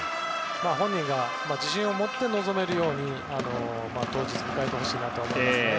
本人が自信を持って臨めるように当日を迎えてほしいなと思いますね。